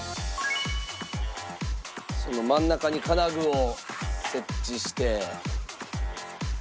その真ん中に金具を設置して。